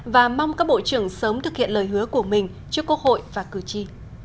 và mong các bộ trưởng sớm thực hiện lời hứa của mình trước quốc hội và cử tri